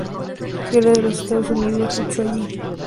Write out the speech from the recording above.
Guerra de los Estados Unidos luchó allí.